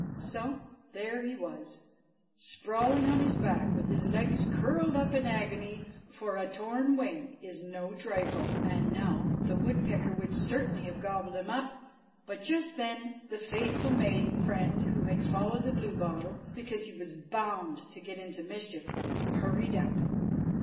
So there he was, sprawling on his back with his legs curled up in agony, for a torn wing is no trifle. And now the woodpecker would certainly have gobbled him up; but just then the faithful maiden friend, who had followed the Bluebottle because he was bound to get into mischief, hurried up.